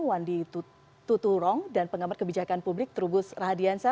wandi tuturong dan pengamat kebijakan publik trubus radiansa